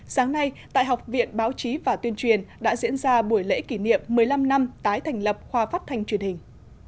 sáng nay tại học viện báo chí và tuyên truyền đã diễn ra buổi lễ kỷ niệm một mươi năm năm tái thành lập khoa phát thanh truyền hình